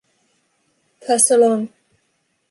Pass along